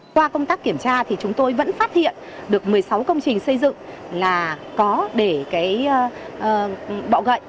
qua công tác kiểm tra thì chúng tôi vẫn phát hiện được một mươi sáu công trình xây dựng là có để bọ gậy